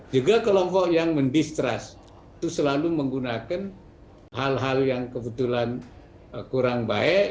juga kelompok yang mendistrust itu selalu menggunakan hal hal yang kebetulan kurang baik